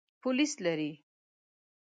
پولیس لري.